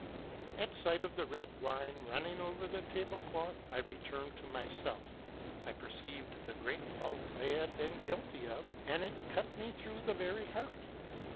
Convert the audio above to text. " At sight of the red wine running over the tablecloth, I returned to myself. I perceived the great fault I had been guilty of, and it cut me through the very heart.